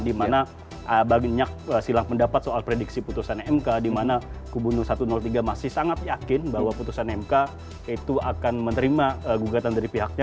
di mana banyak silang pendapat soal prediksi putusan mk di mana kubunuh satu ratus tiga masih sangat yakin bahwa putusan mk itu akan menerima gugatan dari pihaknya